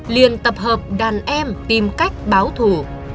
liên tập hợp đàn em tìm cách báo thủ